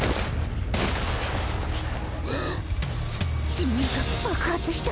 地面が爆発した？